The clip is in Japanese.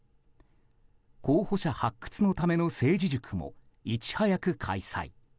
候補者発掘のための政治塾もいち早く開催。